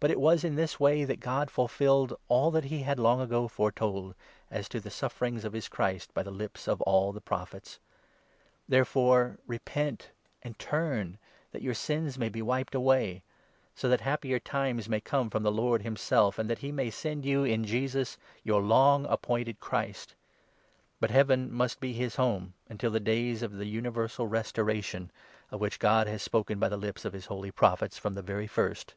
But it was in this way 18 that God fulfilled all that he had long ago foretold, as to the sufferings of his Christ, by the lips of all the Prophets. There 19 fore, repent and turn, that your sins may be wiped away ; so that happier times may come from the Lord himself, and that 20 he may send you, in Jesus, your long appointed Christ. But 21 Heaven must be his home, until the days of the Universal Restoration, of which God has spoken by the lips of his holy Prophets from the very first.